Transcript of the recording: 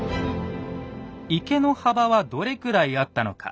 池の幅はどれくらいあったのか。